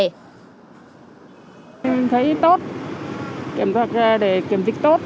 thấy tốt kiểm soát ra để kiểm dịch tốt